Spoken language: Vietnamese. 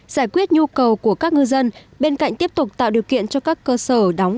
giải quyết nhu cầu của các ngư dân bên cạnh tiếp tục tạo điều kiện cho các cơ sở đóng